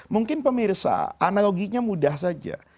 mungkin pemirsa analoginya mudah saja